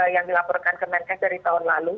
yang dilaporkan ke menkes dari tahun lalu